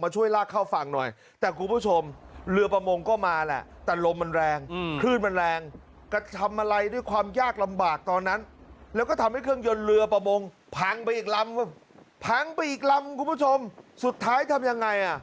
จะประโมงภางไปอีกลำวังล้างไปอีกลำครูผู้ชมสุดท้ายทำยังไงอ่ะ